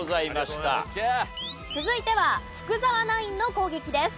続いては福澤ナインの攻撃です。